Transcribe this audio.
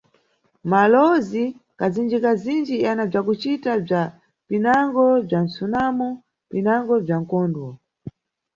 Malowozi kazinji-kazinji yana bzakucita bza, pinango bza msunamo pinango bza mkondwo.